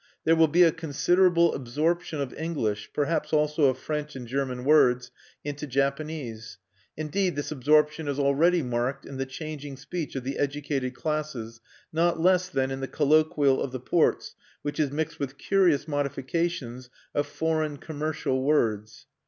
There will be a considerable absorption of English perhaps also of French and German words into Japanese: indeed this absorption is already marked in the changing speech of the educated classes, not less than in the colloquial of the ports which is mixed with curious modifications of foreign commercial words.